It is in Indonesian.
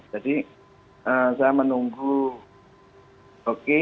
jadi saya menunggu hoki